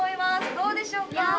どうでしょうか？